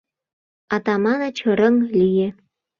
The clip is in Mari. Атаманыч рыҥ лие.